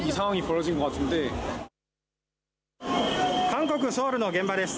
韓国・ソウルの現場です。